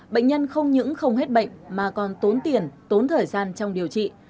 bệnh nhân không những không hết bệnh mà còn tốn tiền tốn thời gian trong điều trị